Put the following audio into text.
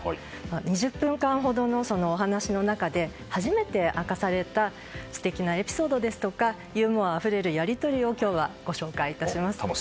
２０分間ほどのお話の中で初めて明かされた素敵なエピソードやユーモアあふれるやり取りを今日はご紹介します。